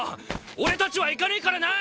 俺達は行かねえからな！